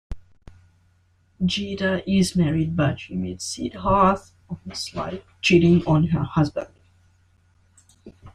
Geeta is married, but she meets Siddharth on the sly, cheating on her husband.